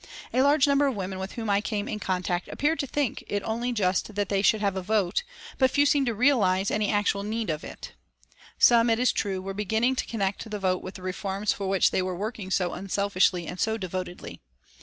A large number of women with whom I came in contact appeared to think it only just that they should have a vote, but few seemed to realise any actual need of it. Some, it is true, were beginning to connect the vote with the reforms for which they were working so unselfishly and so devotedly.